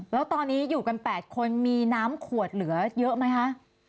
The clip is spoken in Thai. แล้วตอนนี้อยู่กัน๘คนมีน้ำขวดเหลือเยอะไหมคะ